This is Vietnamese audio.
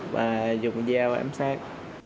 và dùng dao em xác